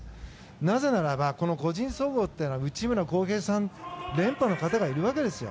なぜならばこの個人総合っていうのは内村航平さん連覇の方がいるわけですよ。